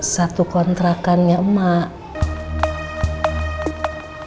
satu kontrakan ya mak